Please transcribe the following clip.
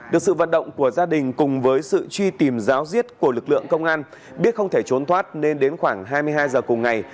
được sự vận động của gia đình cùng với sự truy tìm giáo diết của lực lượng công an biết không thể trốn thoát nên đến khoảng hai mươi hai giờ cùng ngày